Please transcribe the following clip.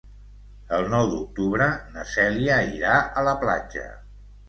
El nou d'octubre na Cèlia irà a la platja.